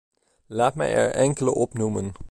Laat mij er enkele opnoemen.